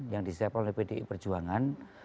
yang disiapkan oleh pdi perjuangan